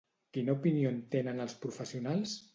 Quina opinió en tenen els professionals?